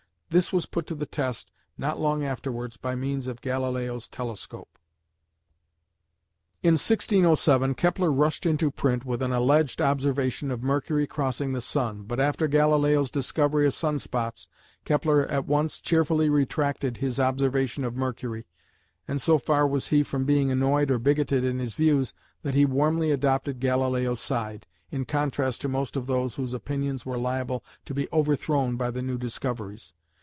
This was put to the test not long afterwards by means of Galileo's telescope. In 1607 Kepler rushed into print with an alleged observation of Mercury crossing the sun, but after Galileo's discovery of sun spots, Kepler at once cheerfully retracted his observation of "Mercury," and so far was he from being annoyed or bigoted in his views, that he warmly adopted Galileo's side, in contrast to most of those whose opinions were liable to be overthrown by the new discoveries.